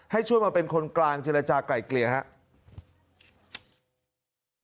ให้ช่วยมาเป็นคนกลางเจรจากลายเกลี่ยครับ